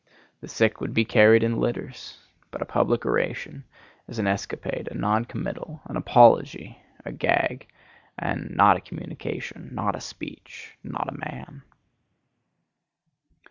The sick would be carried in litters. But a public oration is an escapade, a non committal, an apology, a gag, and not a communication, not a speech, not a man.